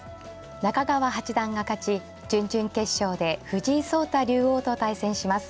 中川八段が勝ち準々決勝で藤井聡太竜王と対戦します。